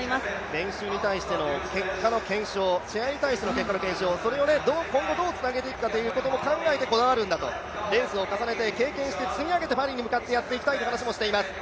練習に対しての結果の検証、試合に対しての結果の検証、それを今後どうつなげていくんだということも考えてこだわるんだとレースを重ねて経験して、積み上げてパリに向かってやっていきたいという話をしていました。